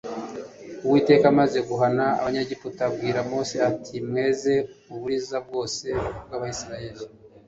Uwiteka amaze guhana Abanyegiputa abwira Mose ati: "Mweze uburiza bwose bw'Abisirayeli